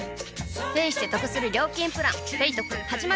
ペイしてトクする料金プラン「ペイトク」始まる！